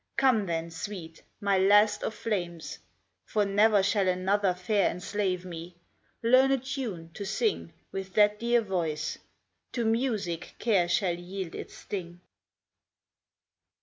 Come then, sweet, My last of flames (For never shall another fair Enslave me), learn a tune, to sing With that dear voice: to music care Shall yield its sting.